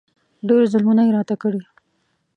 ډېر ظلمونه یې راته کړي.